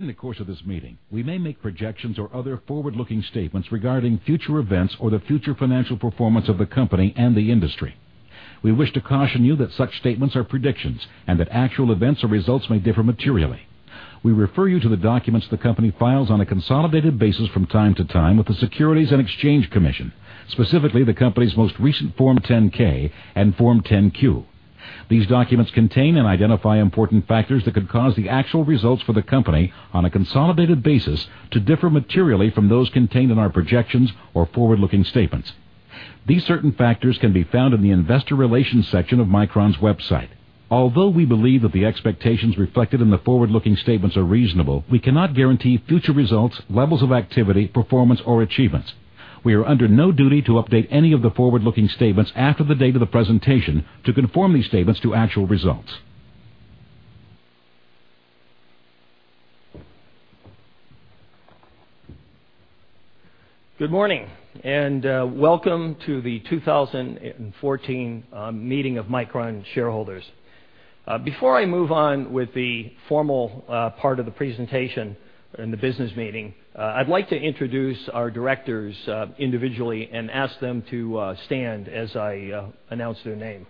In the course of this meeting, we may make projections or other forward-looking statements regarding future events or the future financial performance of the company and the industry. We wish to caution you that such statements are predictions and that actual events or results may differ materially. We refer you to the documents the company files on a consolidated basis from time to time with the Securities and Exchange Commission, specifically the company's most recent Form 10-K and Form 10-Q. These documents contain and identify important factors that could cause the actual results for the company on a consolidated basis to differ materially from those contained in our projections or forward-looking statements. These certain factors can be found in the investor relations section of Micron's website. Although we believe that the expectations reflected in the forward-looking statements are reasonable, we cannot guarantee future results, levels of activity, performance, or achievements. We are under no duty to update any of the forward-looking statements after the date of the presentation to conform these statements to actual results. Good morning, and welcome to the 2014 meeting of Micron shareholders. Before I move on with the formal part of the presentation and the business meeting, I'd like to introduce our directors individually and ask them to stand as I announce their name.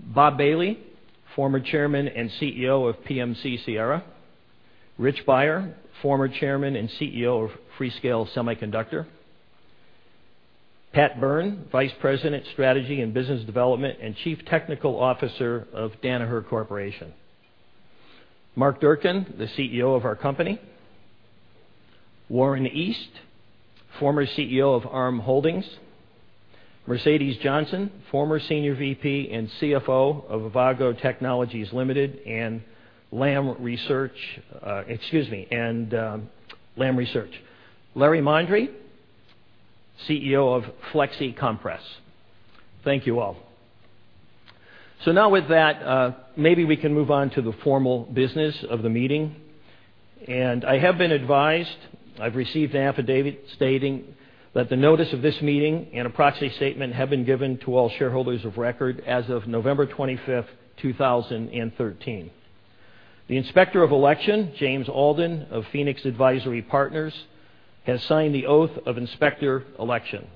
Bob Bailey, former Chairman and CEO of PMC-Sierra. Rich Beyer, former Chairman and CEO of Freescale Semiconductor. Pat Byrne, Vice President, Strategy and Business Development, and Chief Technical Officer of Danaher Corporation. Mark Durcan, the CEO of our company. Warren East, former CEO of ARM Holdings. Mercedes Johnson, former Senior VP and CFO of Avago Technologies Limited and Lam Research. Larry Mondry, CEO of Flexi Compras. Thank you all. Now with that, maybe we can move on to the formal business of the meeting. I have been advised, I've received an affidavit stating that the notice of this meeting and a proxy statement have been given to all shareholders of record as of November 25th, 2013. The Inspector of Election, James Alden of Phoenix Advisory Partners, has signed the Oath of Inspector Election.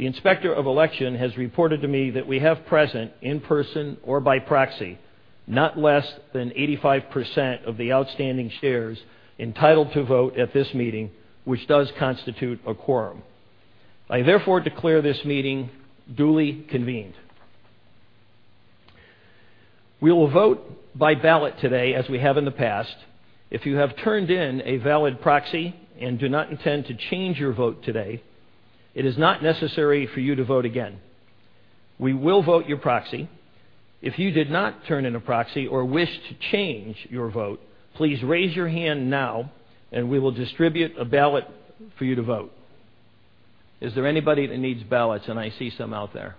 The Inspector of Election has reported to me that we have present in person or by proxy, not less than 85% of the outstanding shares entitled to vote at this meeting, which does constitute a quorum. I therefore declare this meeting duly convened. We will vote by ballot today as we have in the past. If you have turned in a valid proxy and do not intend to change your vote today, it is not necessary for you to vote again. We will vote your proxy. If you did not turn in a proxy or wish to change your vote, please raise your hand now and we will distribute a ballot for you to vote. Is there anybody that needs ballots? I see some out there.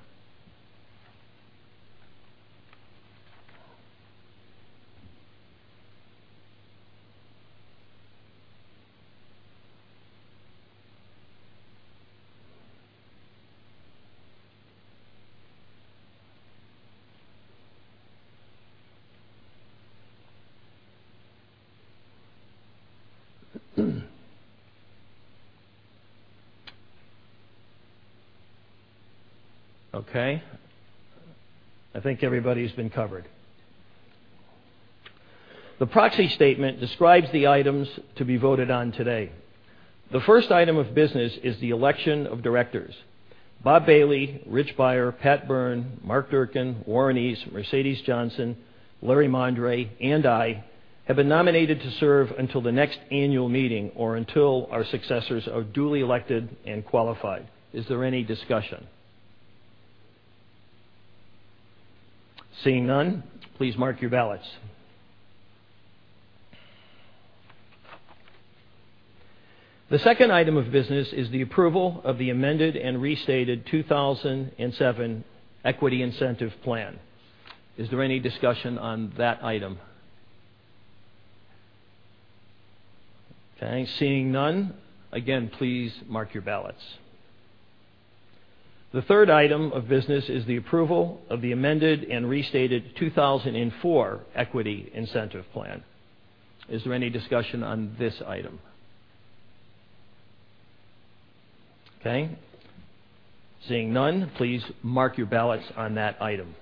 Okay. I think everybody's been covered. The proxy statement describes the items to be voted on today. The first item of business is the election of directors. Bob Bailey, Rich Beyer, Pat Byrne, Mark Durcan, Warren East, Mercedes Johnson, Larry Mondry, and I have been nominated to serve until the next annual meeting or until our successors are duly elected and qualified. Is there any discussion? Seeing none, please mark your ballots. The second item of business is the approval of the amended and restated 2007 Equity Incentive Plan. Is there any discussion on that item? Okay, seeing none, again, please mark your ballots. The third item of business is the approval of the amended and restated 2004 Equity Incentive Plan. Is there any discussion on this item? Okay. Seeing none, please mark your ballots on that item.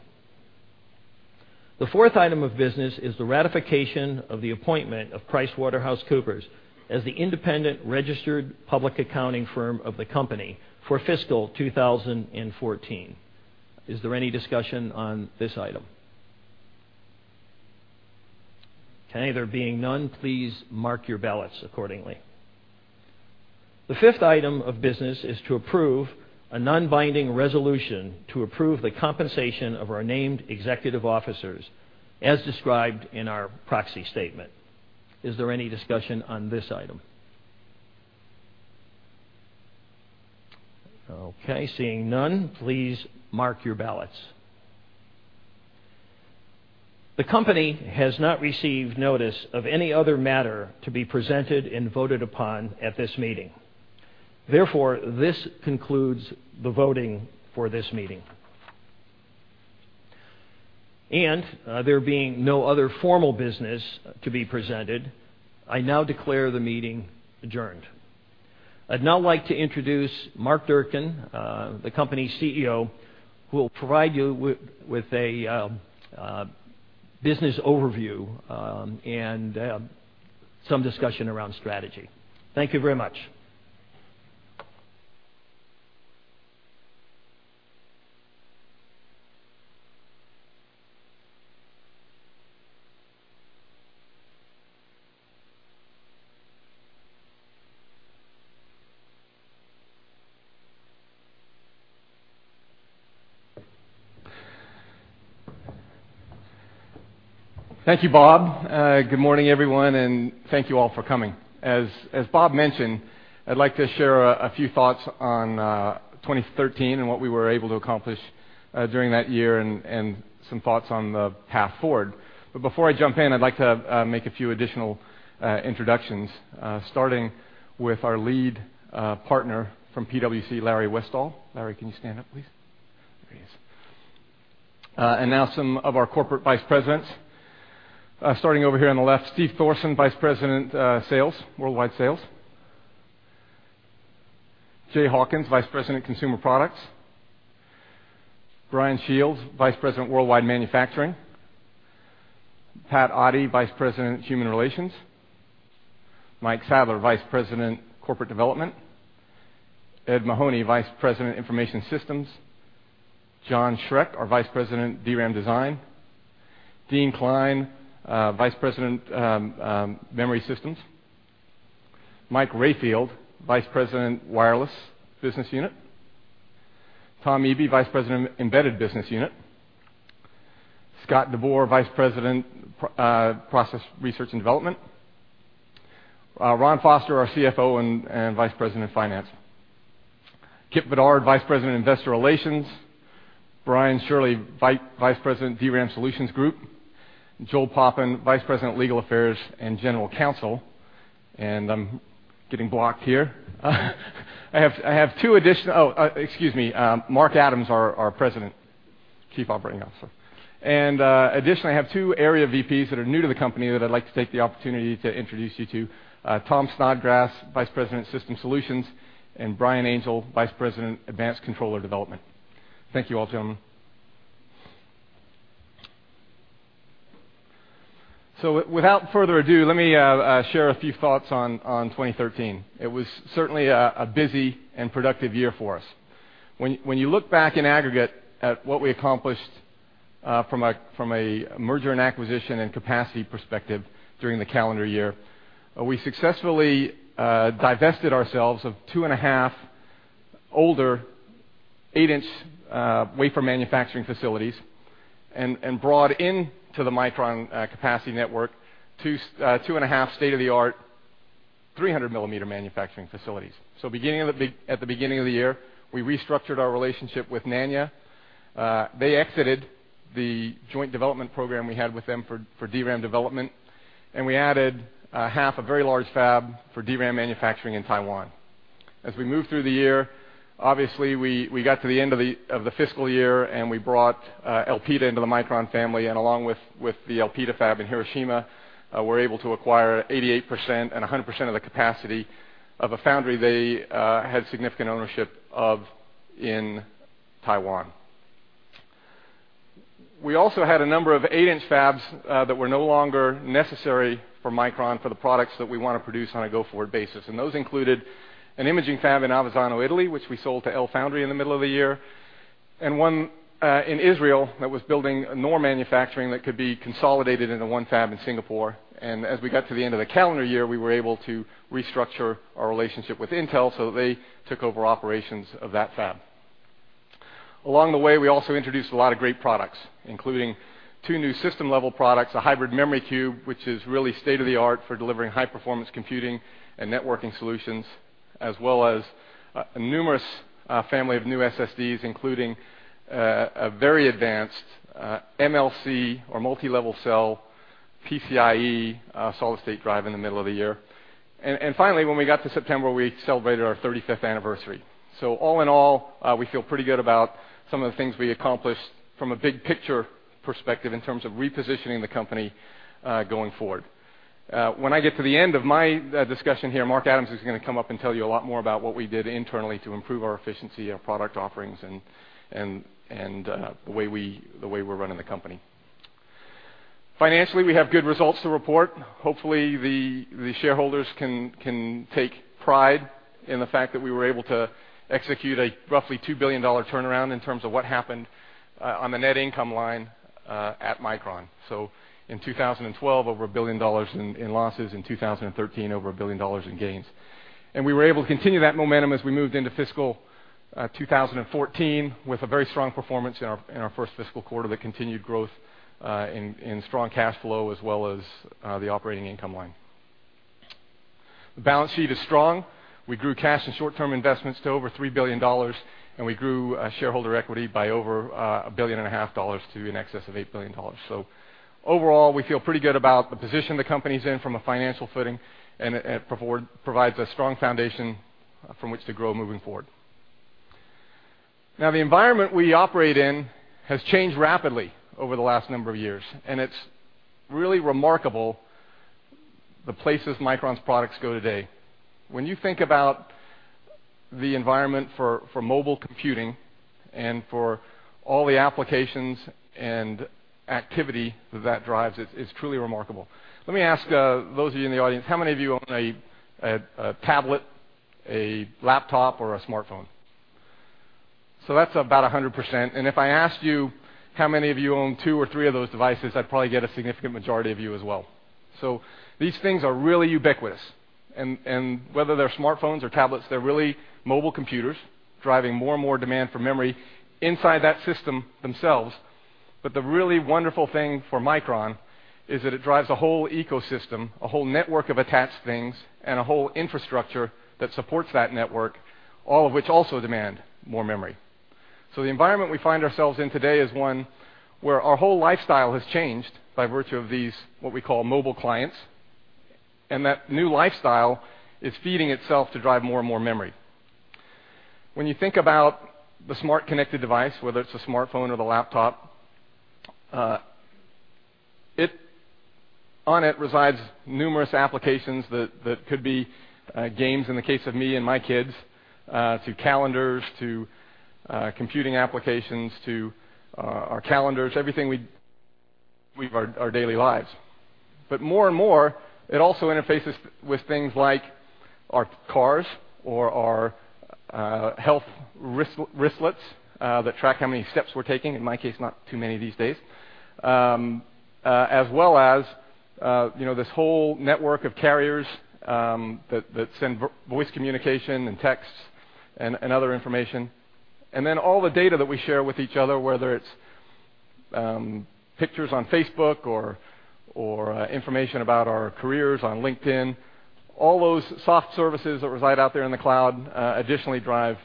The fourth item of business is the ratification of the appointment of PricewaterhouseCoopers as the independent registered public accounting firm of the company for fiscal 2014. Is there any discussion on this item? Okay, there being none, please mark your ballots accordingly. The fifth item of business is to approve a non-binding resolution to approve the compensation of our named executive officers as described in our proxy statement. Is there any discussion on this item? Okay, seeing none, please mark your ballots. The company has not received notice of any other matter to be presented and voted upon at this meeting. Therefore, this concludes the voting for this meeting. There being no other formal business to be presented, I now declare the meeting adjourned. I'd now like to introduce Mark Durcan, the company's CEO, who will provide you with a business overview and some discussion around strategy. Thank you very much. Thank you, Bob. Good morning, everyone, and thank you all for coming. As Bob mentioned, I'd like to share a few thoughts on 2013 and what we were able to accomplish during that year and some thoughts on the path forward. Before I jump in, I'd like to make a few additional introductions, starting with our lead partner from PwC, Larry Westall. Larry, can you stand up, please? There he is. Now some of our corporate Vice Presidents, starting over here on the left, Steve Thorsen, Vice President, Worldwide Sales. Jay Hawkins, Vice President, Consumer Products. Brian Shirley, Vice President, Worldwide Manufacturing. Pat Otte, Vice President, Human Relations. Mike Sadler, Vice President, Corporate Development. Ed Mahoney, Vice President, Information Systems. John Schreck, our Vice President, DRAM Design. Dean Klein, Vice President, Memory Systems. Mike Rayfield, Vice President, Wireless Business Unit. Tom Eby, Vice President, Embedded Business Unit. Scott DeBoer, Vice President, Process Research and Development. Ron Foster, our CFO and Vice President of Finance. Kipp Bedard, Vice President, Investor Relations. Brian Shirley, Vice President, DRAM Solutions Group. Joel Poppen, Vice President, Legal Affairs and General Counsel. I'm getting blocked here. Excuse me, Mark Adams, our President, Chief Operating Officer. Additionally, I have two area VPs that are new to the company that I'd like to take the opportunity to introduce you to. Tom Snodgrass, Vice President, System Solutions, and Brian Angell, Vice President, Advanced Controller Development. Thank you all, gentlemen. Without further ado, let me share a few thoughts on 2013. It was certainly a busy and productive year for us. When you look back in aggregate at what we accomplished, from a merger and acquisition and capacity perspective during the calendar year, we successfully divested ourselves of two and a half older 8-inch wafer manufacturing facilities and brought into the Micron capacity network two and a half state-of-the-art 300-millimeter manufacturing facilities. At the beginning of the year, we restructured our relationship with Nanya. They exited the joint development program we had with them for DRAM development, and we added half a very large fab for DRAM manufacturing in Taiwan. As we moved through the year, obviously, we got to the end of the fiscal year, and we brought Elpida into the Micron family. Along with the Elpida fab in Hiroshima, we were able to acquire 88% and 100% of the capacity of a foundry they had significant ownership of in Taiwan. We also had a number of 8-inch fabs that were no longer necessary for Micron for the products that we want to produce on a go-forward basis. Those included an imaging fab in Avezzano, Italy, which we sold to LFoundry in the middle of the year, and one in Israel that was building NOR manufacturing that could be consolidated into one fab in Singapore. As we got to the end of the calendar year, we were able to restructure our relationship with Intel, so they took over operations of that fab. Along the way, we also introduced a lot of great products, including two new system-level products, a Hybrid Memory Cube, which is really state-of-the-art for delivering high-performance computing and networking solutions, as well as a numerous family of new SSDs, including a very advanced MLC or multi-level cell PCIe solid-state drive in the middle of the year. Finally, when we got to September, we celebrated our 35th anniversary. All in all, we feel pretty good about some of the things we accomplished from a big-picture perspective in terms of repositioning the company going forward. When I get to the end of my discussion here, Mark Adams is going to come up and tell you a lot more about what we did internally to improve our efficiency, our product offerings, and the way we're running the company. Financially, we have good results to report. Hopefully, the shareholders can take pride in the fact that we were able to execute a roughly $2 billion turnaround in terms of what happened on the net income line at Micron. In 2012, over $1 billion in losses, in 2013, over $1 billion in gains. We were able to continue that momentum as we moved into FY 2014 with a very strong performance in our first fiscal quarter that continued growth in strong cash flow as well as the operating income line. The balance sheet is strong. We grew cash and short-term investments to over $3 billion, and we grew shareholder equity by over a billion and a half dollars to in excess of $8 billion. Overall, we feel pretty good about the position the company's in from a financial footing, and it provides a strong foundation from which to grow moving forward. The environment we operate in has changed rapidly over the last number of years, and it's really remarkable the places Micron's products go today. When you think about the environment for mobile computing and for all the applications and activity that that drives, it's truly remarkable. Let me ask those of you in the audience, how many of you own a tablet, a laptop, or a smartphone? That's about 100%. If I asked you how many of you own two or three of those devices, I'd probably get a significant majority of you as well. These things are really ubiquitous, and whether they're smartphones or tablets, they're really mobile computers driving more and more demand for memory inside that system themselves. The really wonderful thing for Micron is that it drives a whole ecosystem, a whole network of attached things, and a whole infrastructure that supports that network, all of which also demand more memory. The environment we find ourselves in today is one where our whole lifestyle has changed by virtue of these, what we call mobile clients, and that new lifestyle is feeding itself to drive more and more memory. When you think about the smart connected device, whether it's a smartphone or the laptop, on it resides numerous applications that could be games in the case of me and my kids, to calendars, to computing applications, to our calendars, everything we weave our daily lives. More and more, it also interfaces with things like our cars or our health wristlets that track how many steps we're taking, in my case, not too many these days, as well as this whole network of carriers that send voice communication and texts and other information. All the data that we share with each other, whether it's pictures on Facebook or information about our careers on LinkedIn. All those soft services that reside out there in the cloud additionally drive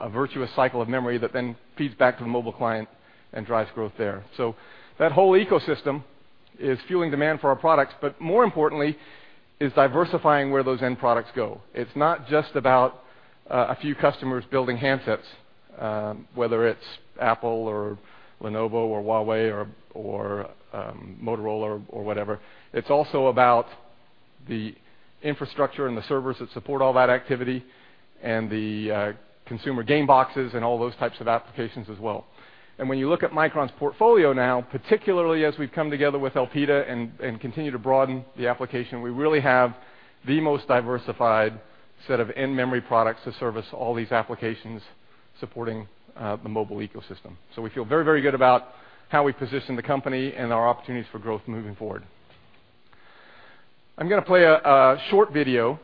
a virtuous cycle of memory that then feeds back to the mobile client and drives growth there. That whole ecosystem is fueling demand for our products, but more importantly, is diversifying where those end products go. It's not just about a few customers building handsets, whether it's Apple or Lenovo or Huawei or Motorola or whatever. It's also about the infrastructure and the servers that support all that activity and the consumer game boxes and all those types of applications as well. When you look at Micron's portfolio now, particularly as we've come together with Elpida and continue to broaden the application, we really have the most diversified set of end memory products to service all these applications supporting the mobile ecosystem. We feel very, very good about how we position the company and our opportunities for growth moving forward. I'm going to play a short video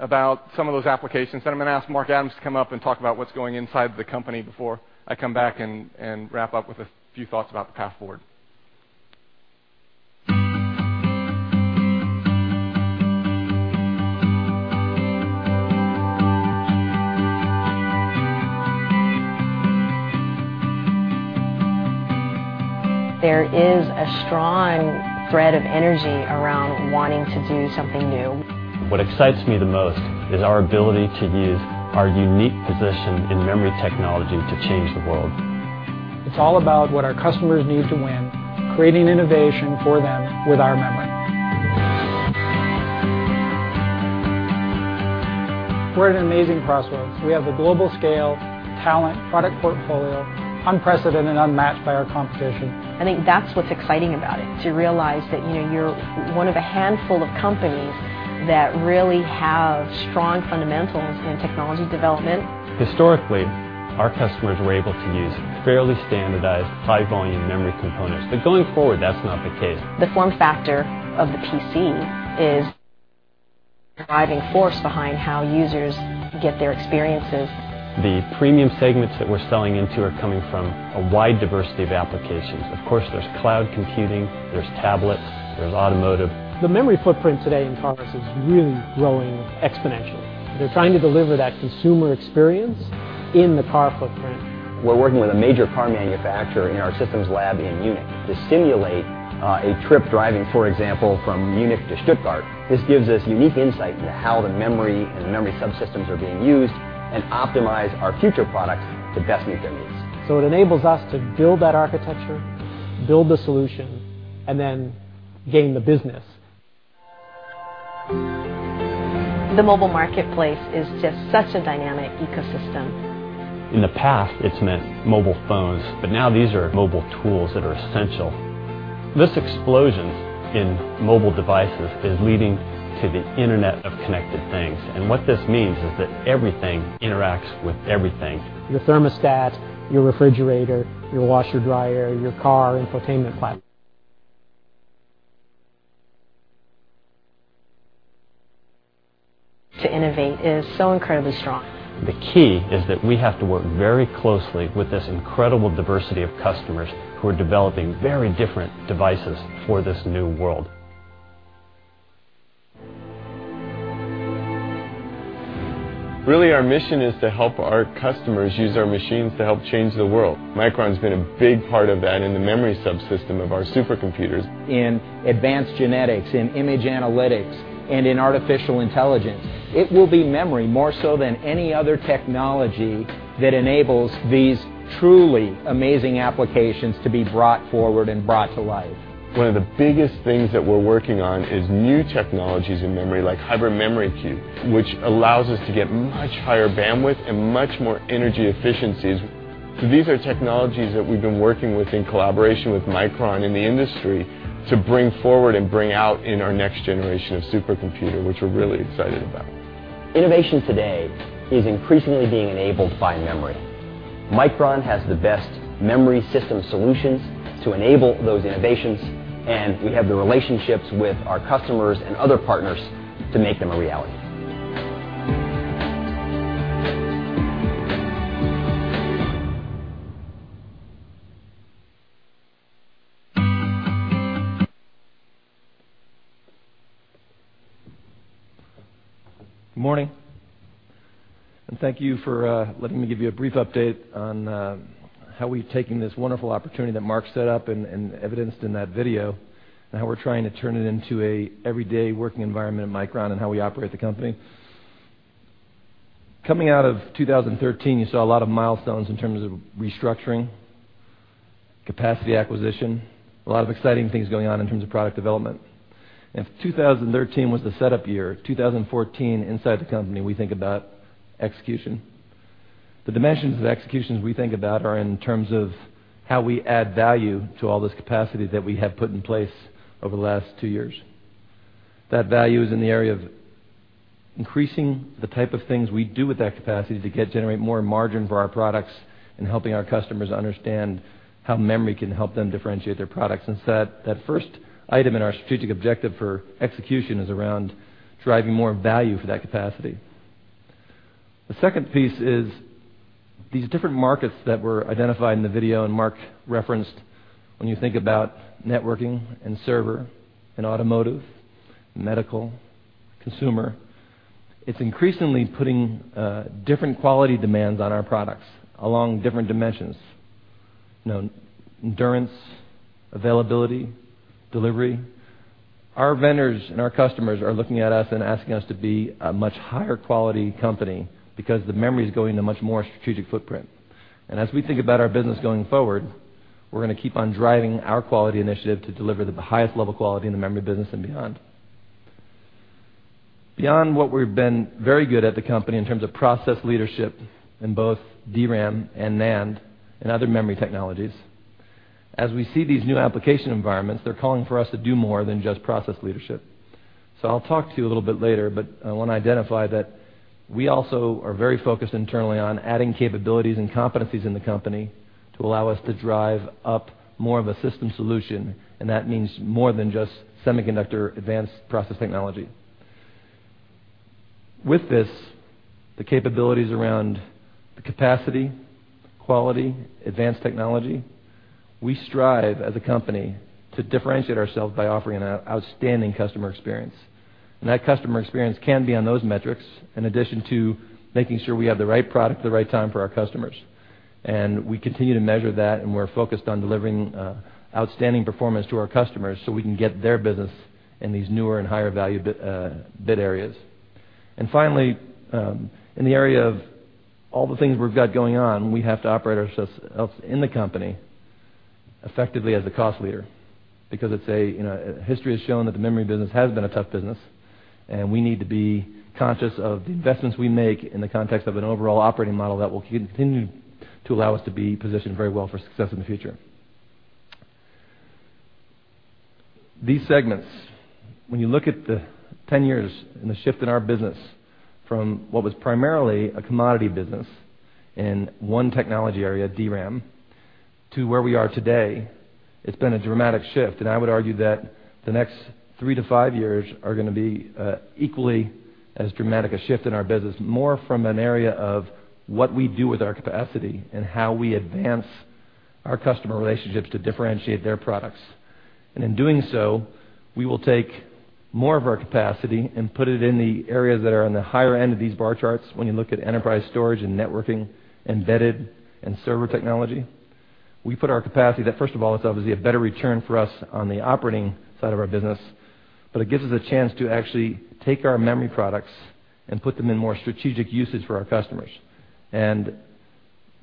about some of those applications, then I'm going to ask Mark Adams to come up and talk about what's going inside the company before I come back and wrap up with a few thoughts about the path forward. There is a strong thread of energy around wanting to do something new. What excites me the most is our ability to use our unique position in memory technology to change the world. It's all about what our customers need to win, creating innovation for them with our memory. We're at an amazing crossroads. We have the global scale, talent, product portfolio, unprecedented and unmatched by our competition. I think that's what's exciting about it, to realize that you're one of a handful of companies that really have strong fundamentals in technology development. Historically, our customers were able to use fairly standardized high-volume memory components, but going forward, that's not the case. The form factor of the PC is the driving force behind how users get their experiences. The premium segments that we're selling into are coming from a wide diversity of applications. Of course, there's cloud computing, there's tablets, there's automotive. The memory footprint today in cars is really growing exponentially. They're trying to deliver that consumer experience in the car footprint. We're working with a major car manufacturer in our systems lab in Munich to simulate a trip driving, for example, from Munich to Stuttgart. This gives us unique insight into how the memory and the memory subsystems are being used and optimize our future products to best meet their needs. It enables us to build that architecture, build the solution, and then gain the business. The mobile marketplace is just such a dynamic ecosystem. In the past, it's meant mobile phones, but now these are mobile tools that are essential. This explosion in mobile devices is leading to the internet of connected things, and what this means is that everything interacts with everything. Your thermostat, your refrigerator, your washer-dryer, your car infotainment platform. To innovate is so incredibly strong. The key is that we have to work very closely with this incredible diversity of customers who are developing very different devices for this new world. Our mission is to help our customers use our machines to help change the world. Micron's been a big part of that in the memory subsystem of our supercomputers. In advanced genetics, in image analytics, and in artificial intelligence, it will be memory more so than any other technology that enables these truly amazing applications to be brought forward and brought to life. One of the biggest things that we're working on is new technologies in memory like Hybrid Memory Cube, which allows us to get much higher bandwidth and much more energy efficiencies. These are technologies that we've been working with in collaboration with Micron in the industry to bring forward and bring out in our next generation of supercomputer, which we're really excited about. Innovation today is increasingly being enabled by memory. Micron has the best memory system solutions to enable those innovations, and we have the relationships with our customers and other partners to make them a reality. Good morning, and thank you for letting me give you a brief update on how we've taken this wonderful opportunity that Mark set up and evidenced in that video, and how we're trying to turn it into an everyday working environment at Micron and how we operate the company. Coming out of 2013, you saw a lot of milestones in terms of restructuring, capacity acquisition, a lot of exciting things going on in terms of product development. If 2013 was the setup year, 2014, inside the company, we think about execution. The dimensions of executions we think about are in terms of how we add value to all this capacity that we have put in place over the last two years. That value is in the area of increasing the type of things we do with that capacity to generate more margin for our products and helping our customers understand how memory can help them differentiate their products. That first item in our strategic objective for execution is around driving more value for that capacity. The second piece is these different markets that were identified in the video, and Mark referenced, when you think about networking and server and automotive, medical, consumer, it's increasingly putting different quality demands on our products along different dimensions. Endurance, availability, delivery. Our vendors and our customers are looking at us and asking us to be a much higher quality company because the memory is going to much more strategic footprint. As we think about our business going forward, we're going to keep on driving our quality initiative to deliver the highest level quality in the memory business and beyond. Beyond what we've been very good at the company in terms of process leadership in both DRAM and NAND and other memory technologies, as we see these new application environments, they're calling for us to do more than just process leadership. I'll talk to you a little bit later, but I want to identify that we also are very focused internally on adding capabilities and competencies in the company to allow us to drive up more of a system solution, and that means more than just semiconductor advanced process technology. With this, the capabilities around the capacity, quality, advanced technology, we strive as a company to differentiate ourselves by offering an outstanding customer experience. That customer experience can be on those metrics, in addition to making sure we have the right product at the right time for our customers. We continue to measure that, and we're focused on delivering outstanding performance to our customers so we can get their business in these newer and higher value bit areas. Finally, in the area of all the things we've got going on, we have to operate ourselves in the company effectively as a cost leader, because history has shown that the memory business has been a tough business, and we need to be conscious of the investments we make in the context of an overall operating model that will continue to allow us to be positioned very well for success in the future. These segments, when you look at the 10 years and the shift in our business from what was primarily a commodity business in one technology area, DRAM, to where we are today, it's been a dramatic shift, I would argue that the next three to five years are going to be equally as dramatic a shift in our business, more from an area of what we do with our capacity and how we advance our customer relationships to differentiate their products. In doing so, we will take more of our capacity and put it in the areas that are on the higher end of these bar charts when you look at enterprise storage and networking, embedded, and server technology. We put our capacity that first of all, it's obviously a better return for us on the operating side of our business, but it gives us a chance to actually take our memory products and put them in more strategic usage for our customers.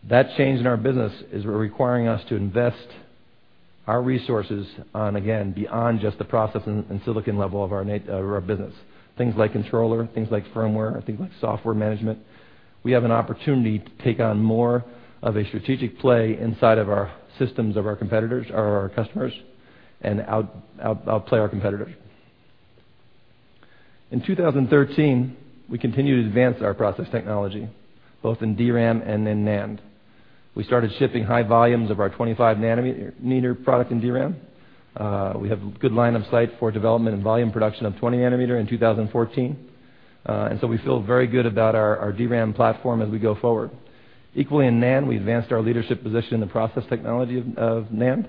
That change in our business is requiring us to invest our resources on, again, beyond just the process and silicon level of our business. Things like controller, things like firmware, things like software management. We have an opportunity to take on more of a strategic play inside of our systems of our customers and outplay our competitors. In 2013, we continued to advance our process technology, both in DRAM and in NAND. We started shipping high volumes of our 25 nm product in DRAM. We have good line of sight for development and volume production of 20 nm in 2014. We feel very good about our DRAM platform as we go forward. Equally in NAND, we advanced our leadership position in the process technology of NAND.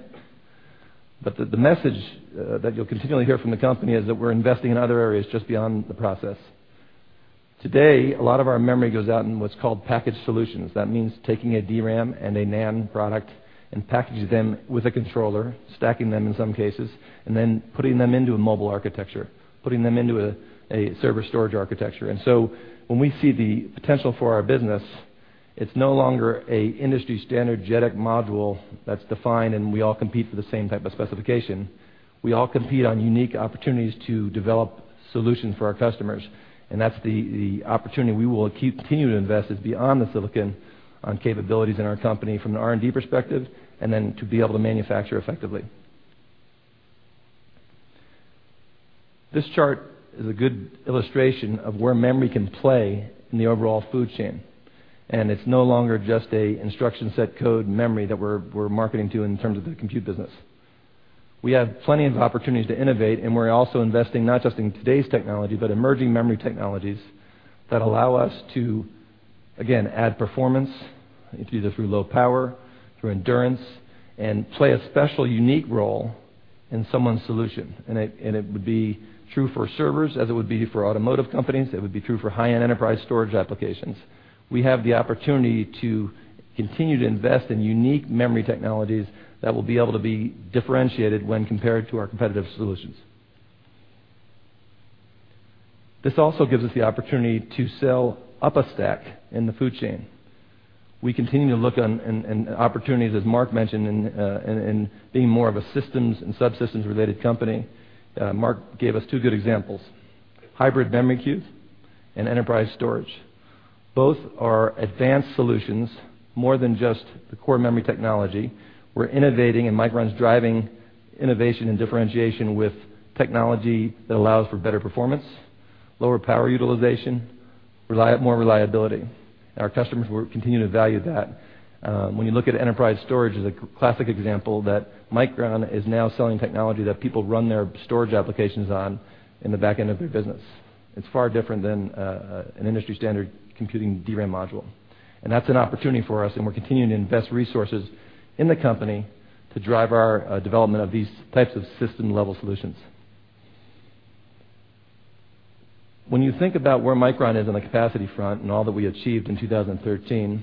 The message that you'll continually hear from the company is that we're investing in other areas just beyond the process. Today, a lot of our memory goes out in what's called packaged solutions. That means taking a DRAM and a NAND product and packaging them with a controller, stacking them in some cases, and then putting them into a mobile architecture, putting them into a server storage architecture. When we see the potential for our business, it's no longer a industry standard JEDEC module that's defined, and we all compete for the same type of specification. We all compete on unique opportunities to develop solutions for our customers, that's the opportunity we will continue to invest is beyond the silicon on capabilities in our company from an R&D perspective, and then to be able to manufacture effectively. This chart is a good illustration of where memory can play in the overall food chain, it's no longer just a instruction set code memory that we're marketing to in terms of the compute business. We have plenty of opportunities to innovate, we're also investing not just in today's technology, but emerging memory technologies that allow us to, again, add performance, either through low power, through endurance, and play a special, unique role in someone's solution. It would be true for servers as it would be for automotive companies. It would be true for high-end enterprise storage applications. We have the opportunity to continue to invest in unique memory technologies that will be able to be differentiated when compared to our competitive solutions. This also gives us the opportunity to sell up a stack in the food chain. We continue to look on opportunities, as Mark mentioned, in being more of a systems and subsystems-related company. Mark gave us 2 good examples, Hybrid Memory Cube and enterprise storage. Both are advanced solutions, more than just the core memory technology. We're innovating, and Micron's driving innovation and differentiation with technology that allows for better performance, lower power utilization, more reliability. Our customers will continue to value that. When you look at enterprise storage as a classic example, that Micron is now selling technology that people run their storage applications on in the back end of their business. It's far different than an industry-standard computing DRAM module. That's an opportunity for us, and we're continuing to invest resources in the company to drive our development of these types of system-level solutions. When you think about where Micron is on the capacity front and all that we achieved in 2013,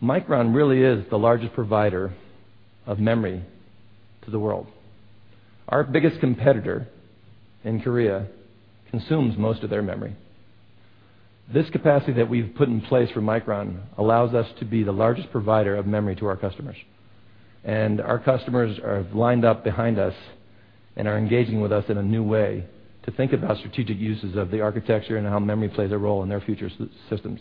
Micron really is the largest provider of memory to the world. Our biggest competitor in Korea consumes most of their memory. This capacity that we've put in place for Micron allows us to be the largest provider of memory to our customers. Our customers are lined up behind us and are engaging with us in a new way to think about strategic uses of the architecture and how memory plays a role in their future systems.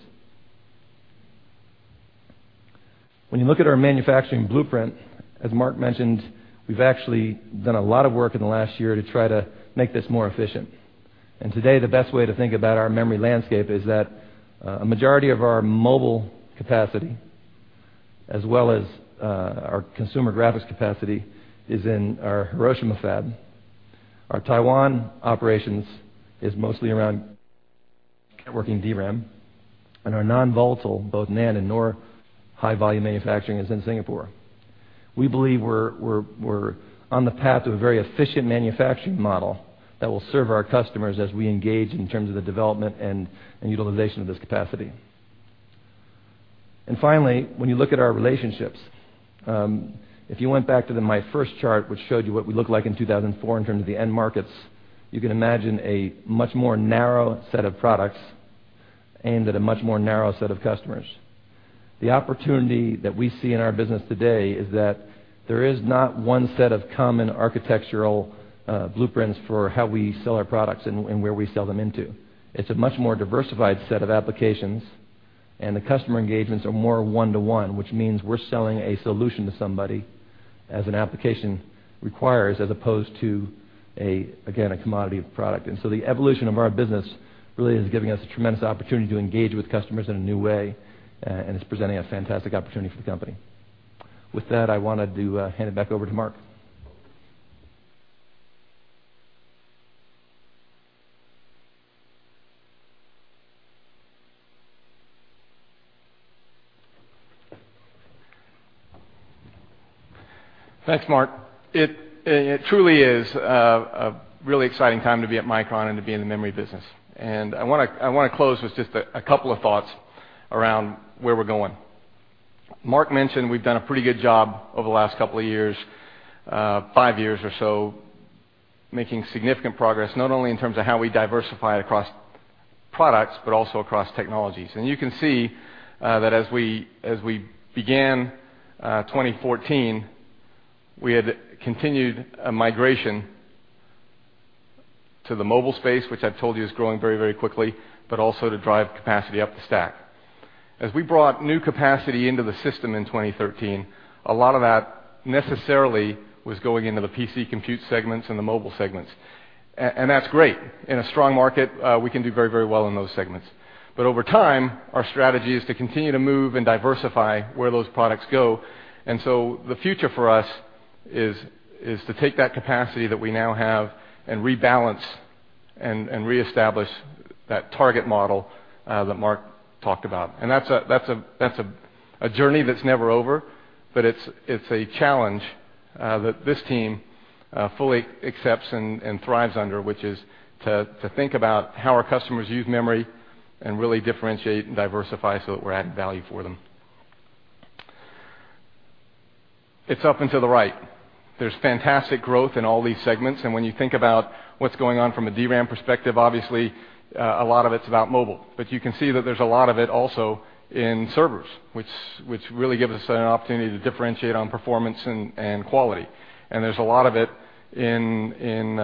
When you look at our manufacturing blueprint, as Mark mentioned, we've actually done a lot of work in the last year to try to make this more efficient. Today, the best way to think about our memory landscape is that a majority of our mobile capacity, as well as our consumer graphics capacity, is in our Hiroshima fab. Our Taiwan operations is mostly around networking DRAM, and our non-volatile, both NAND and NOR high-volume manufacturing, is in Singapore. We believe we're on the path to a very efficient manufacturing model that will serve our customers as we engage in terms of the development and utilization of this capacity. Finally, when you look at our relationships, if you went back to my first chart, which showed you what we looked like in 2004 in terms of the end markets, you can imagine a much more narrow set of products aimed at a much more narrow set of customers. The opportunity that we see in our business today is that there is not one set of common architectural blueprints for how we sell our products and where we sell them into. It's a much more diversified set of applications, and the customer engagements are more one-to-one, which means we're selling a solution to somebody as an application requires, as opposed to, again, a commodity product. The evolution of our business really is giving us a tremendous opportunity to engage with customers in a new way, and it's presenting a fantastic opportunity for the company. With that, I wanted to hand it back over to Mark. Thanks, Mark. It truly is a really exciting time to be at Micron and to be in the memory business. I want to close with just a couple of thoughts around where we're going. Mark mentioned we've done a pretty good job over the last couple of years, five years or so, making significant progress, not only in terms of how we diversify across products, but also across technologies. You can see that as we began 2014, we had continued a migration to the mobile space, which I've told you is growing very, very quickly, but also to drive capacity up the stack. As we brought new capacity into the system in 2013, a lot of that necessarily was going into the PC compute segments and the mobile segments. That's great. In a strong market, we can do very, very well in those segments. Over time, our strategy is to continue to move and diversify where those products go. The future for us is to take that capacity that we now have and rebalance and reestablish that target model that Mark talked about. That's a journey that's never over, but it's a challenge that this team fully accepts and thrives under, which is to think about how our customers use memory and really differentiate and diversify so that we're adding value for them. It's up and to the right. There's fantastic growth in all these segments, and when you think about what's going on from a DRAM perspective, obviously, a lot of it's about mobile. You can see that there's a lot of it also in servers, which really gives us an opportunity to differentiate on performance and quality. There's a lot of it in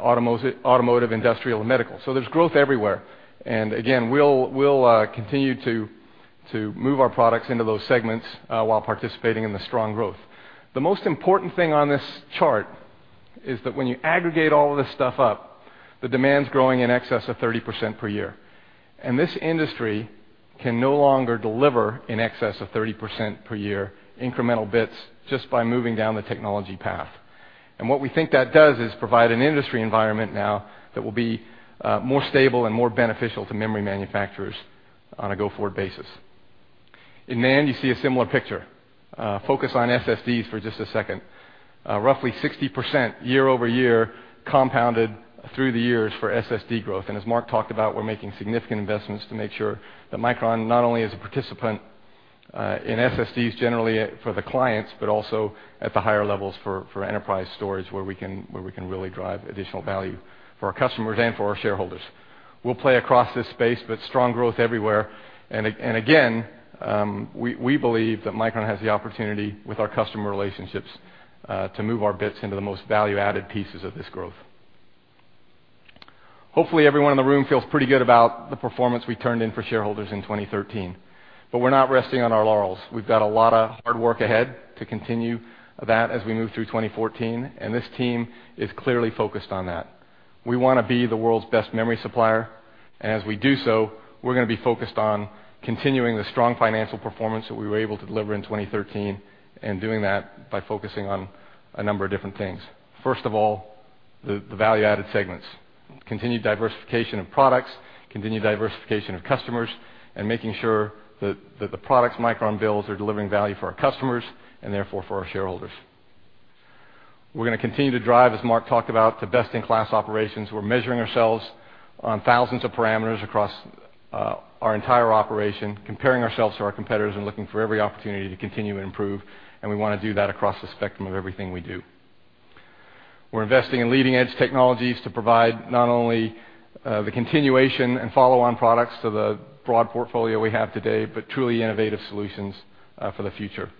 automotive, industrial, and medical. There's growth everywhere. Again, we'll continue to move our products into those segments while participating in the strong growth. The most important thing on this chart is that when you aggregate all of this stuff up, the demand's growing in excess of 30% per year. This industry can no longer deliver in excess of 30% per year incremental bits just by moving down the technology path. What we think that does is provide an industry environment now that will be more stable and more beneficial to memory manufacturers on a go-forward basis. In NAND, you see a similar picture. Focus on SSDs for just a second. Roughly 60% year-over-year compounded through the years for SSD growth. As Mark talked about, we're making significant investments to make sure that Micron not only is a participant in SSDs generally for the clients, but also at the higher levels for enterprise storage where we can really drive additional value for our customers and for our shareholders. We'll play across this space, but strong growth everywhere. Again, we believe that Micron has the opportunity with our customer relationships to move our bits into the most value-added pieces of this growth. Hopefully, everyone in the room feels pretty good about the performance we turned in for shareholders in 2013. We're not resting on our laurels. We've got a lot of hard work ahead to continue that as we move through 2014, and this team is clearly focused on that. We want to be the world's best memory supplier. As we do so, we're going to be focused on continuing the strong financial performance that we were able to deliver in 2013 and doing that by focusing on a number of different things. First of all, the value-added segments. Continued diversification of products, continued diversification of customers, and making sure that the products Micron builds are delivering value for our customers, and therefore, for our shareholders. We're going to continue to drive, as Mark talked about, the best-in-class operations. We're measuring ourselves on thousands of parameters across our entire operation, comparing ourselves to our competitors, and looking for every opportunity to continue to improve, and we want to do that across the spectrum of everything we do. We're investing in leading-edge technologies to provide not only the continuation and follow-on products to the broad portfolio we have today, but truly innovative solutions for the future.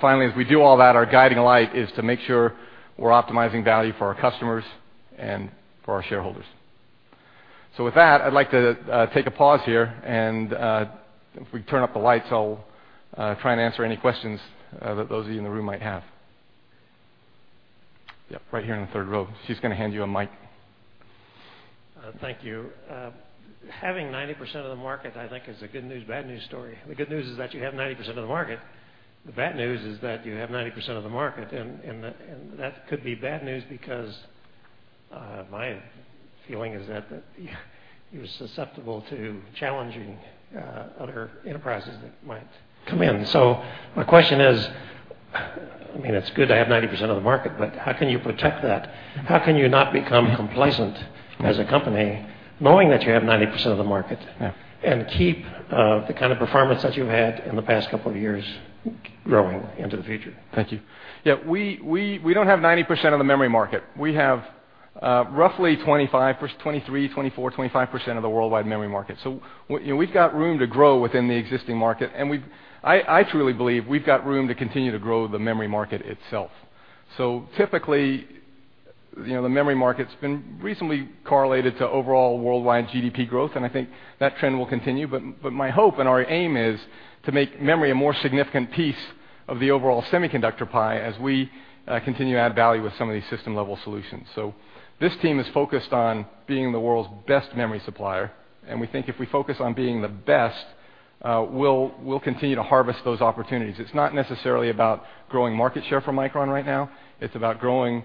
Finally, as we do all that, our guiding light is to make sure we're optimizing value for our customers and for our shareholders. With that, I'd like to take a pause here, and if we turn up the lights, I'll try and answer any questions that those of you in the room might have. Yeah, right here in the third row. She's going to hand you a mic. Thank you. Having 90% of the market, I think, is a good news, bad news story. The good news is that you have 90% of the market. The bad news is that you have 90% of the market, and that could be bad news because my feeling is that you're susceptible to challenging other enterprises that might come in. My question is, it's good to have 90% of the market, but how can you protect that? How can you not become complacent as a company knowing that you have 90% of the market and keep the kind of performance that you've had in the past couple of years growing into the future? Thank you. Yeah. We don't have 90% of the memory market. We have roughly 23%, 24%, 25% of the worldwide memory market. We've got room to grow within the existing market, and I truly believe we've got room to continue to grow the memory market itself. Typically, the memory market's been reasonably correlated to overall worldwide GDP growth, and I think that trend will continue. My hope and our aim is to make memory a more significant piece of the overall semiconductor pie as we continue to add value with some of these system-level solutions. This team is focused on being the world's best memory supplier, and we think if we focus on being the best, we'll continue to harvest those opportunities. It's not necessarily about growing market share for Micron right now. It's about growing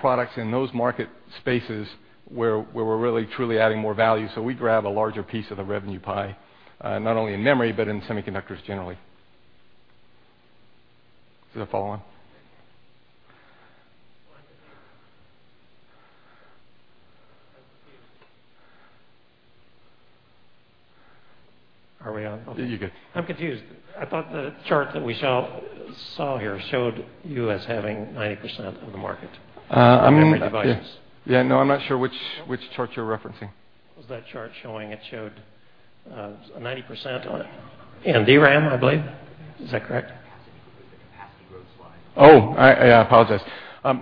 products in those market spaces where we're really, truly adding more value, so we grab a larger piece of the revenue pie, not only in memory, but in semiconductors generally. Is there a follow on? Well, I'm confused. Are we on? Yeah, you're good. I'm confused. I thought the chart that we saw here showed you as having 90% of the market. I mean Memory devices. Yeah, no, I'm not sure which chart you're referencing. What was that chart showing? It showed 90% on in DRAM, I believe. Is that correct? Capacity. It was the capacity growth slide. Oh, I apologize.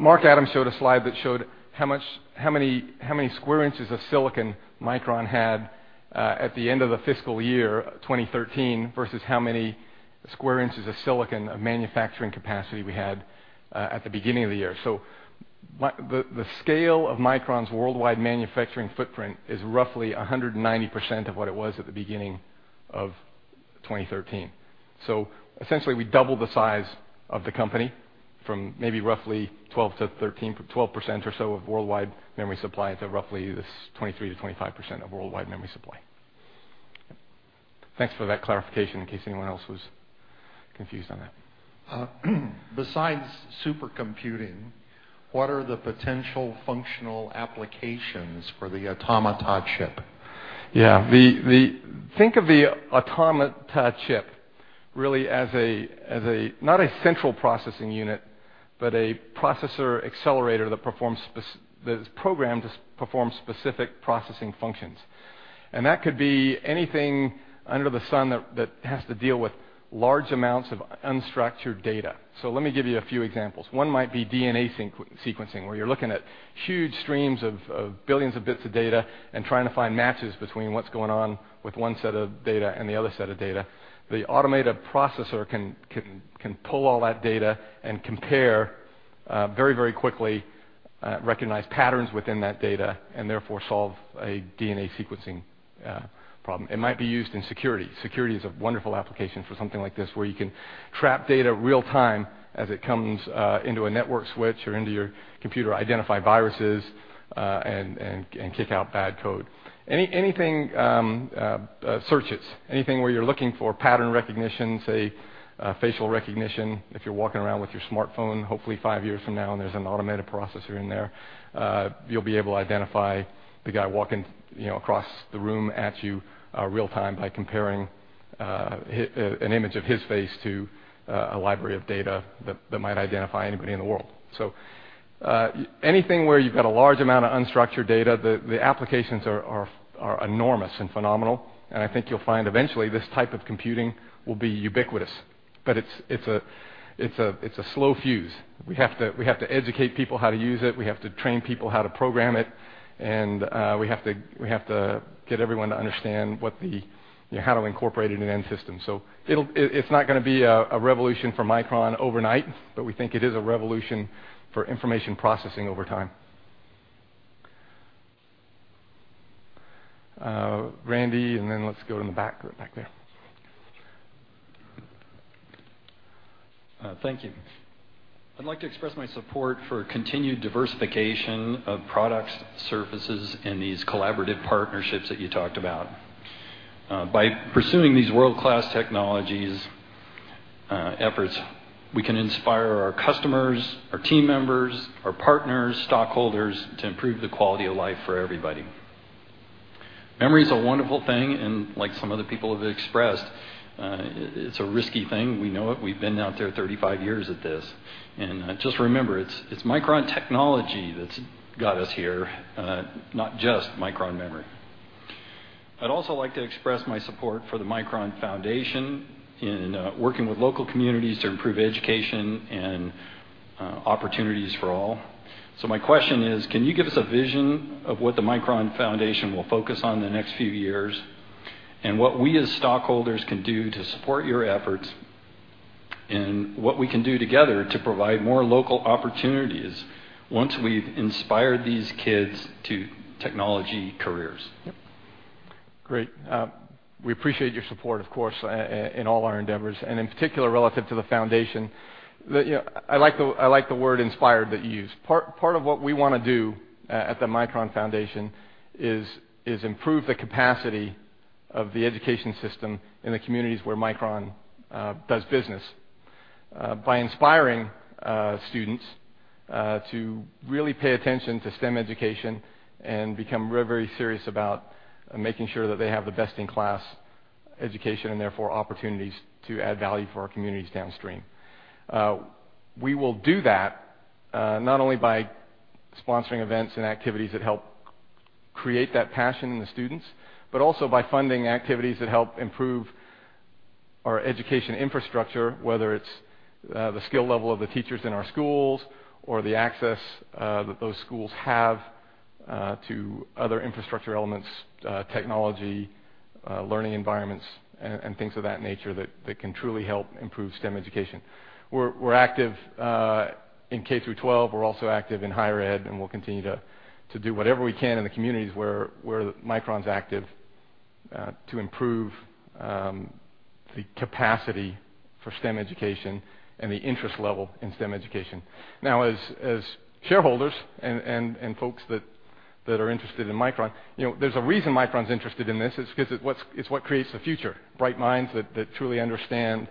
Mark Adams showed a slide that showed how many square inches of silicon Micron had at the end of the fiscal year 2013 versus how many square inches of silicon of manufacturing capacity we had at the beginning of the year. The scale of Micron's worldwide manufacturing footprint is roughly 190% of what it was at the beginning of 2013. Essentially, we doubled the size of the company from maybe roughly 12% or so of worldwide memory supply to roughly this 23%-25% of worldwide memory supply. Thanks for that clarification, in case anyone else was confused on that. Besides supercomputing, what are the potential functional applications for the Automata chip? Yeah. Think of the Automata chip really as not a central processing unit, but a processor accelerator that is programmed to perform specific processing functions. That could be anything under the sun that has to deal with large amounts of unstructured data. Let me give you a few examples. One might be DNA sequencing, where you're looking at huge streams of billions of bits of data and trying to find matches between what's going on with one set of data and the other set of data. The Automata Processor can pull all that data and compare very quickly, recognize patterns within that data, and therefore solve a DNA sequencing problem. It might be used in security. Security is a wonderful application for something like this, where you can trap data real-time as it comes into a network switch or into your computer, identify viruses and kick out bad code. Anything, searches, anything where you're looking for pattern recognition, say, facial recognition. If you're walking around with your smartphone, hopefully five years from now, and there's an Automata Processor in there, you'll be able to identify the guy walking across the room at you real-time by comparing an image of his face to a library of data that might identify anybody in the world. Anything where you've got a large amount of unstructured data, the applications are enormous and phenomenal. I think you'll find eventually this type of computing will be ubiquitous. It's a slow fuse. We have to educate people how to use it. We have to train people how to program it, we have to get everyone to understand how to incorporate it in end systems. It's not going to be a revolution for Micron overnight, but we think it is a revolution for information processing over time. Randy, let's go to the back there. Thank you. I'd like to express my support for continued diversification of products, services, and these collaborative partnerships that you talked about. By pursuing these world-class technologies efforts, we can inspire our customers, our team members, our partners, stockholders to improve the quality of life for everybody. Memory is a wonderful thing, and like some other people have expressed, it's a risky thing. We know it. We've been out there 35 years at this. Just remember, it's Micron Technology that's got us here, not just Micron memory. I'd also like to express my support for the Micron Foundation in working with local communities to improve education and opportunities for all. My question is, can you give us a vision of what the Micron Foundation will focus on in the next few years, what we as stockholders can do to support your efforts, what we can do together to provide more local opportunities once we've inspired these kids to technology careers? Yep. Great. We appreciate your support, of course, in all our endeavors. In particular, relative to the foundation, I like the word inspired that you used. Part of what we want to do at the Micron Foundation is improve the capacity of the education system in the communities where Micron does business by inspiring students to really pay attention to STEM education and become very serious about making sure that they have the best-in-class education and therefore opportunities to add value for our communities downstream. We will do that not only by sponsoring events and activities that help create that passion in the students, but also by funding activities that help improve our education infrastructure, whether it's the skill level of the teachers in our schools or the access that those schools have to other infrastructure elements, technology, learning environments, and things of that nature that can truly help improve STEM education. We're active in K through 12. We're also active in higher ed. We'll continue to do whatever we can in the communities where Micron's active to improve the capacity for STEM education and the interest level in STEM education. As shareholders and folks that are interested in Micron, there's a reason Micron's interested in this is because it's what creates the future. Bright minds that truly understand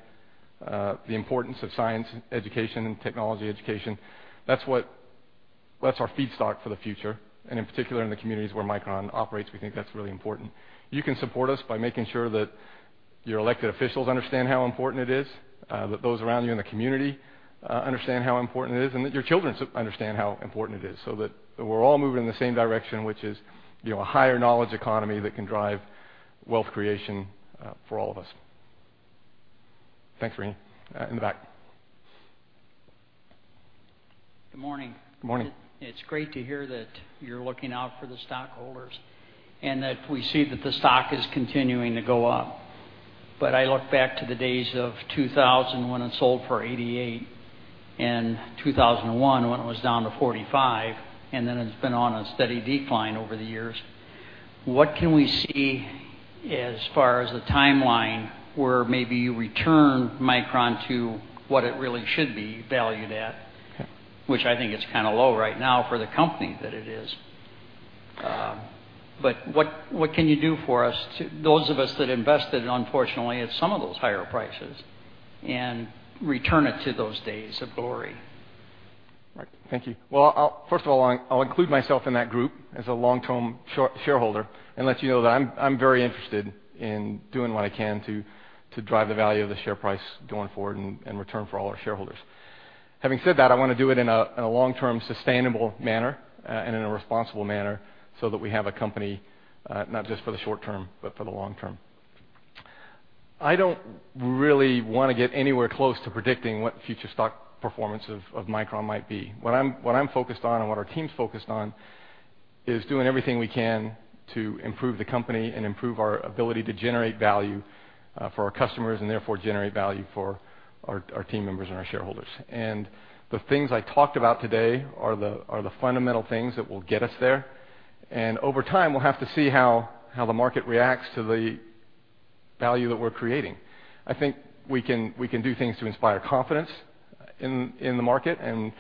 the importance of science education and technology education, that's our feedstock for the future. In particular, in the communities where Micron operates, we think that's really important. You can support us by making sure that your elected officials understand how important it is, that those around you in the community understand how important it is, and that your children understand how important it is, that we're all moving in the same direction, which is a higher knowledge economy that can drive wealth creation for all of us. Thanks, Randy. In the back. Good morning. Good morning. It's great to hear that you're looking out for the stockholders and that we see that the stock is continuing to go up. I look back to the days of 2000 when it sold for $88 and 2001 when it was down to $45, and then it's been on a steady decline over the years. What can we see as far as the timeline where maybe you return Micron to what it really should be valued at? Okay. Which I think is kind of low right now for the company that it is. What can you do for us, those of us that invested, unfortunately, at some of those higher prices and return it to those days of glory? Right. Thank you. Well, first of all, I'll include myself in that group as a long-term shareholder and let you know that I'm very interested in doing what I can to drive the value of the share price going forward and return for all our shareholders. Having said that, I want to do it in a long-term, sustainable manner and in a responsible manner so that we have a company not just for the short term, but for the long term. I don't really want to get anywhere close to predicting what future stock performance of Micron might be. What I'm focused on and what our team's focused on is doing everything we can to improve the company and improve our ability to generate value for our customers and therefore generate value for our team members and our shareholders. The things I talked about today are the fundamental things that will get us there. Over time, we'll have to see how the market reacts to the value that we're creating. I think we can do things to inspire confidence in the market, and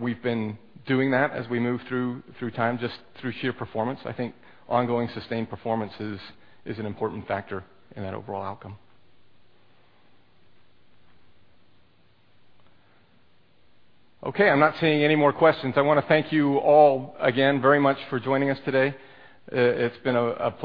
we've been doing that as we move through time, just through sheer performance. I think ongoing sustained performance is an important factor in that overall outcome. Okay, I'm not seeing any more questions. I want to thank you all again very much for joining us today. It's been a pleasure